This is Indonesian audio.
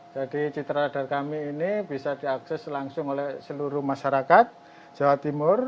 jadi citra radar kami ini bisa diakses langsung oleh seluruh masyarakat jawa timur